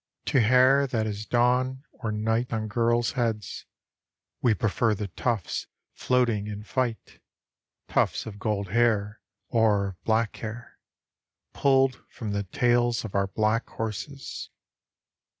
To hair that is dawn or night on girls' heads. We prefer the tufts floating in fight. Tufts of gold hair or of black hair Pulled from the tails of our black horses.